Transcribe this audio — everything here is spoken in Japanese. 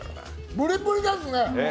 プリプリですね。